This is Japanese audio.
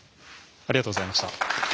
ありがとうございます。